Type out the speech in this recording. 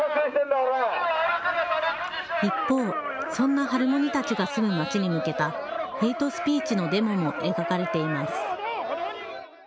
一方、そんなハルモニたちが住む町に向けたヘイトスピーチのデモも描かれています。